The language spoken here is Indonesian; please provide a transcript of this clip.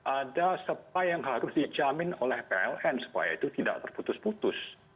ada supply yang harus dijamin oleh pln supaya itu tidak terputus putus